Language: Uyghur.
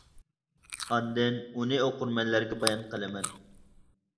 ئاندىن ئۇنى ئوقۇرمەنلەرگە بايان قىلىمەن.